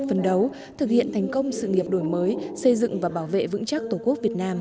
phấn đấu thực hiện thành công sự nghiệp đổi mới xây dựng và bảo vệ vững chắc tổ quốc việt nam